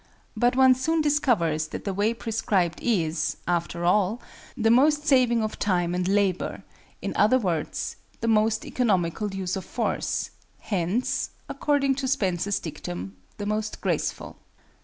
But one soon discovers that the way prescribed is, after all, the most saving of time and labor; in other words, the most economical use of force,—hence, according to Spencer's dictum, the most graceful.